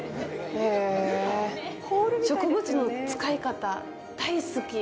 植物の使い方、大好き。